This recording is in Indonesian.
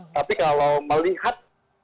tapi kalau melihat